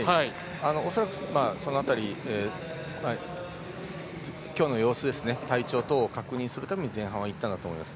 恐らく、その辺り今日の様子、体調等を確認するために前半はいったんだと思います。